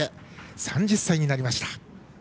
３０歳になりました。